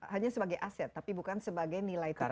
hanya sebagai aset tapi bukan sebagai nilai tambah